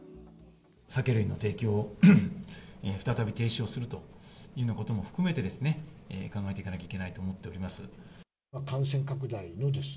酒類の提供を再び停止をするというようなことも含めてですね、考えていかなきゃいけないと思っております。